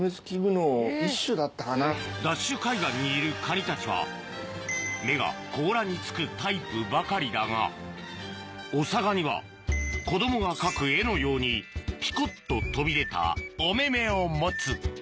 海岸にいるカニたちは目が甲羅につくタイプばかりだがオサガニは子供が描く絵のようにピコっと飛び出たお目目を持つ。